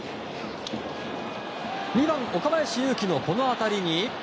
２番、岡林勇希のこの当たりに。